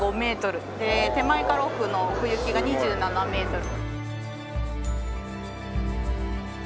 で手前から奥の奥行きが２７メートル。